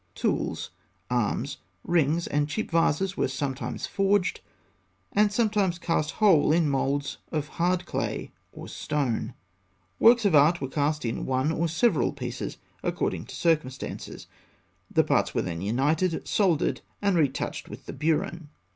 Tools, arms, rings, and cheap vases were sometimes forged, and sometimes cast whole in moulds of hard clay or stone. Works of art were cast in one or several pieces according to circumstances; the parts were then united, soldered, and retouched with the burin.